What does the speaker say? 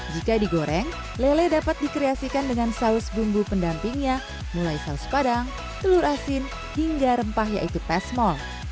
jika digoreng lele dapat dikreasikan dengan saus bumbu pendampingnya mulai saus padang telur asin hingga rempah yaitu pesmol